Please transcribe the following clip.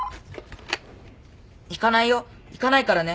☎行かないよ行かないからね！